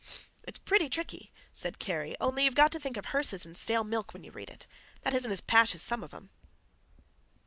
"It's pretty tricky," said Kerry, "only you've got to think of hearses and stale milk when you read it. That isn't as pash as some of them."